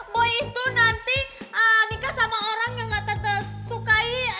boy itu nanti nikah sama orang yang gak tante sukai